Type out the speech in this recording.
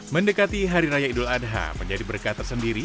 mendekati hari raya idul adha menjadi berkah tersendiri